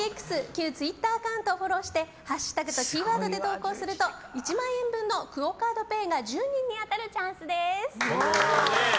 旧ツイッターアカウントをフォローしてハッシュタグとキーワードで投稿すると１万円分のＱＵＯカードＰａｙが１０人に当たるチャンスです。